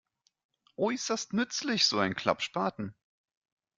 Äußerst nützlich, so ein Klappspaten!